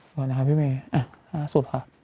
สวัสดีครับพี่เมย์ล่าสุดค่ะ